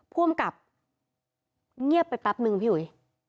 ผู้อำกับเงียบไปปั๊บนึงพี่หุย